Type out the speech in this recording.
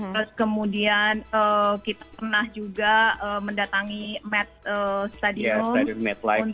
terus kemudian kita pernah juga mendatangi match stadium